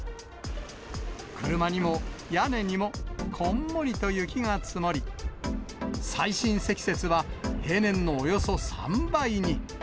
車にも、屋根にも、こんもりと雪が積もり、最深積雪は平年のおよそ３倍に。